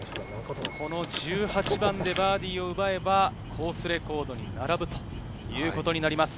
１８番でバーディーを奪えば、コースレコードに並ぶということになります。